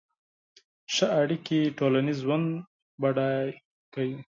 ښه اړیکې ټولنیز ژوند بډای کوي.